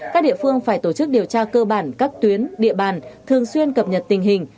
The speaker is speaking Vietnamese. các địa phương phải tổ chức điều tra cơ bản các tuyến địa bàn thường xuyên cập nhật tình hình